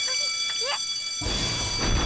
えっ？